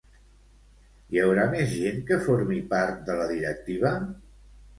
Hi haurà més gent que formi part de la directiva?